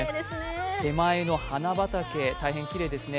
手前の花畑、大変きれいですね。